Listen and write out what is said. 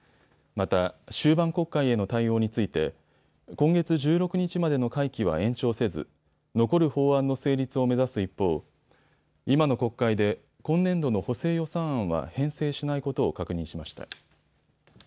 また終盤国会への対応について今月１６日までの会期は延長せず残る法案の成立を目指す一方、今の国会で今年度の補正予算案は編成しないことを確認しました。